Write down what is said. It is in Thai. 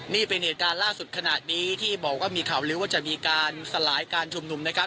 นี่เป็นเหตุการณ์ล่าสุดขณะนี้ที่บอกว่ามีข่าวลื้อว่าจะมีการสลายการชุมนุมนะครับ